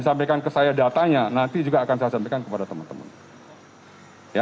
sampaikan ke saya datanya nanti juga akan saya sampaikan kepada teman teman